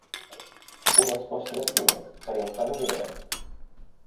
Unes postres fines, per infants i grans.